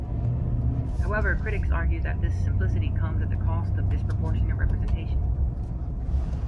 However, critics argue that this simplicity comes at the cost of disproportionate representation.